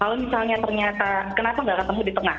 kalau misalnya ternyata kenapa nggak ketemu di tengah